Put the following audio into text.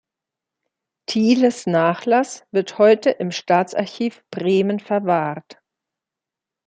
Thieles Nachlass wird heute im Staatsarchiv Bremen verwahrt.